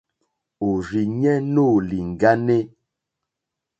Òrzìɲɛ́ nóò lìŋɡáné.